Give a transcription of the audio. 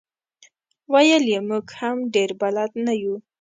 ویل یې موږ هم ډېر بلد نه یو.